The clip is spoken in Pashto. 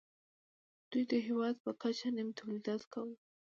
دوی د هېواد په کچه نیم تولیدات کول